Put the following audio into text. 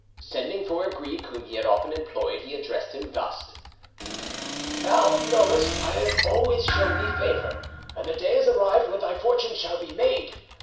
Sending for a Greek whom he had often employed, he addressed him thus: "Thou knowest I have always shown thee favour, and the day is arrived when thy fortune shall be made.